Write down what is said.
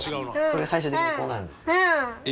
最終的にこうなるんです。